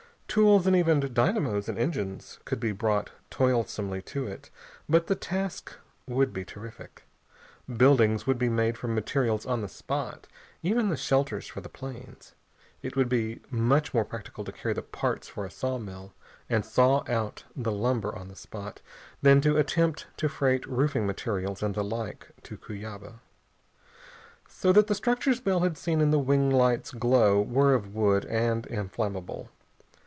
Tools, and even dynamos and engines, could be brought toilsomely to it, but the task would be terrific. Buildings would be made from materials on the spot, even the shelters for the planes. It would be much more practical to carry the parts for a saw mill and saw out the lumber on the spot than to attempt to freight roofing materials and the like to Cuyaba. So that the structures Bell had seen in the wing lights' glow were of wood, and inflammable.